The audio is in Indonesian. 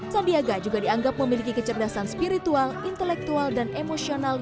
sandiaga juga dianggap memiliki kecerdasan spiritual intelektual dan emosional